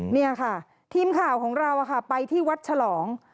นี่ค่ะทีมข่าวของเราไปที่วัดฉลอง